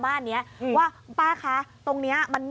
สุดทนแล้วกับเพื่อนบ้านรายนี้ที่อยู่ข้างกัน